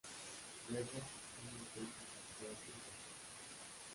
Luego ella intenta suicidarse y fracasa.